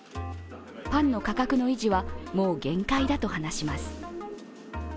パンの価格の維持は、もう限界だと話します。